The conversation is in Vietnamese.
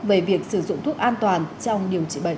về việc sử dụng thuốc an toàn trong điều trị bệnh